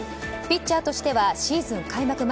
ピッチャーとしてはシーズン開幕